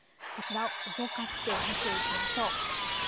こちらを動かして見ていきましょう。